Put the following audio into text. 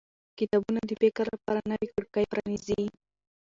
کتابونه د فکر لپاره نوې کړکۍ پرانیزي